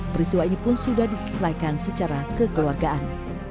peristiwa ini pun sudah diselesaikan secara kekeluargaan